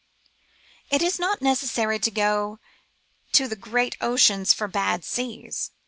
It is not necessary to go to the great oceans for bad seas.